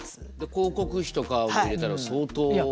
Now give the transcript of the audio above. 広告費とかも入れたら相当ですよね。